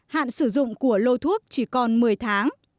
hạn sử dụng của lô thuốc chỉ còn một mươi tháng